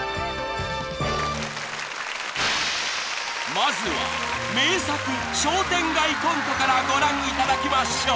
［まずは名作商店街コントからご覧いただきましょう！］